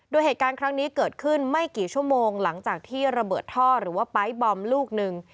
โดยเหตุการณ์ครั้งนี้เกิดขึ้นไม่กี่ชั่วโมงหลังจากที่ระเบิดท่อหรือว่าไป๊บอมลูกหนึ่ง